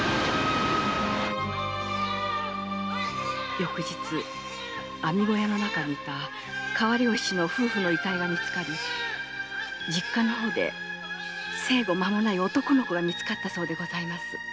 翌日網小屋の中にいた川漁師の夫婦の遺体が見つかり実家の方で生後間もない男の子が見つかったそうです。